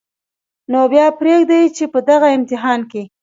نو بیا پرېږدئ چې په دغه امتحان کې